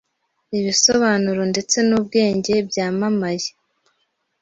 Ibisobanuro ndetse n'ubwenge byamamaye